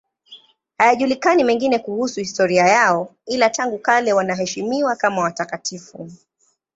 Hayajulikani mengine kuhusu historia yao, ila tangu kale wanaheshimiwa kama watakatifu.